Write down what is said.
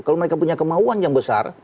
kalau mereka punya kemauan yang besar